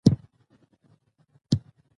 ښځه او نر برابر دي